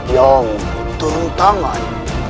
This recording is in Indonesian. yang turun tangan